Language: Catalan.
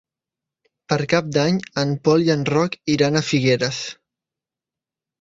Per Cap d'Any en Pol i en Roc iran a Figueres.